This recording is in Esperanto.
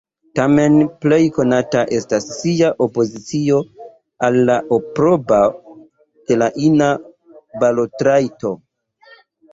Tamen, plej konata estas ŝia opozicio al la aprobo de la ina balotrajto.